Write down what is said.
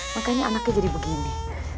makanya anaknya jadi begini